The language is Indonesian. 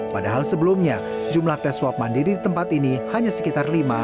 padahal sebelumnya jumlah tes swab mandiri di tempat ini hanya sekitar lima hingga enam sampel saja